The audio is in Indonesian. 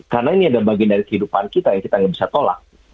karena ini ada bagian dari kehidupan kita yang kita bisa tolak